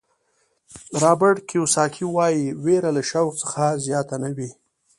رابرټ کیوساکي وایي وېره له شوق څخه زیاته نه وي.